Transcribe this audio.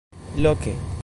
Loke.